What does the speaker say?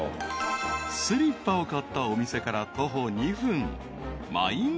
［スリッパを買ったお店から徒歩２分］